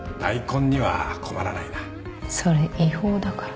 それ違法だから。